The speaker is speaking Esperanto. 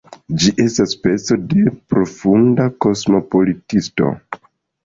Ĝi estas speco de profunda kosmopolitismo.